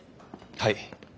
はい。